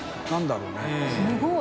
すごい。